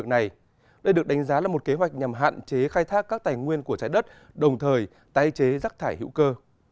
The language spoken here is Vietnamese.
đây được đánh giá là một kế hoạch nhằm hạn chế khai thác các tài nguyên của trái đất đồng thời tái chế rác thải hữu cơ